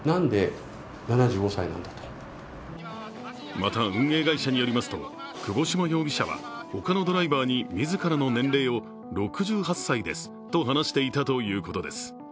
また、運営会社によりますと、窪島容疑者は他のドライバーに自らの年齢を６８歳ですと話していたということです。